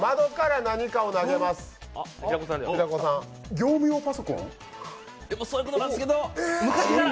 業務用パソコン？